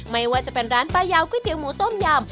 ไม่ว่าจะเป็นร้านป้ายาวก๋วเตี๋หมูต้มยำ